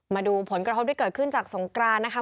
มาดูผลกระทบที่เกิดขึ้นจากสงกรานนะคะ